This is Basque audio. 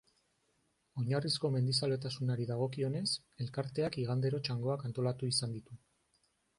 Oinarrizko mendizaletasunari dagokionez, Elkarteak igandero txangoak antolatu izan ditu.